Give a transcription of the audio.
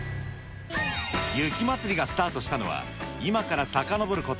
雪まつりがスタートしたのは、今からさかのぼること